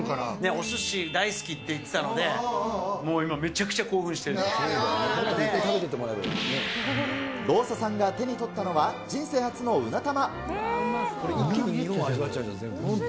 おすし大好きって言ってたのでね、もう今、めちゃくちゃ興奮ローサさんが手に取ったのは、人生初のうな玉。